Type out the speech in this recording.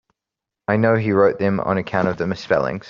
I know he wrote them on account of the misspellings.